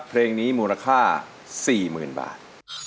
เพลงนี้มูลค่า๔๐๐๐บาท